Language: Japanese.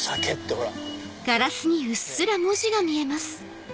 ほら。